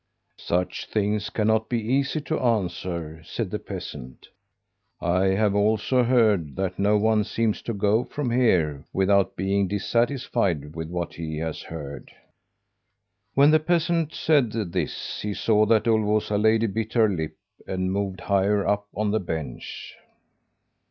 'Such things cannot be easy to answer,' said the peasant. 'I have also heard that no one seems to go from here without being dissatisfied with what he has heard.' "When the peasant said this, he saw that Ulvåsa lady bit her lip, and moved higher up on the bench.